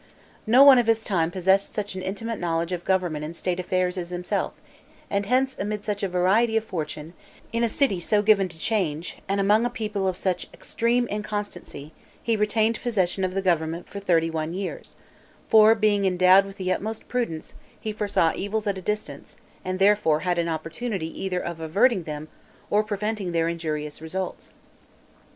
No one of his time possessed such an intimate knowledge of government and state affairs as himself; and hence amid such a variety of fortune, in a city so given to change, and among a people of such extreme inconstancy, he retained possession of the government thirty one years; for being endowed with the utmost prudence, he foresaw evils at a distance, and therefore had an opportunity either of averting them, or preventing their injurious results.